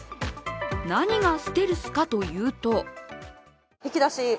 何がステルスかというと引き出し？